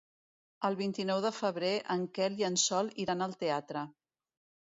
El vint-i-nou de febrer en Quel i en Sol iran al teatre.